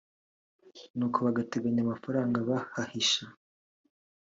nuko bagateranya mafaranga bahahisha